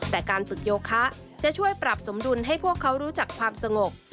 แต่การฝึกโยคะจะช่วยปรับสมดุลให้พวกเขารู้จักความสงบ